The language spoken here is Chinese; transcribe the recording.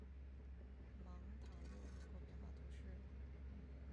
芒塔洛人口变化图示